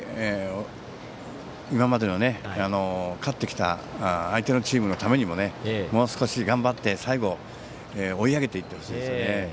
今までの勝ってきた相手のチームのためにももう少し頑張って最後、追い上げていってほしいですね。